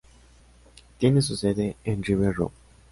Tiene su sede en River Rouge.